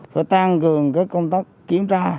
phải tăng cường cái công tác kiểm tra